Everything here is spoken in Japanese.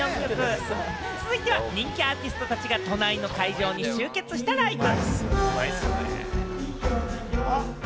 続いては人気アーティストたちが都内の会場に集結したライブ。